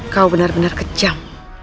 kau benar benar kejam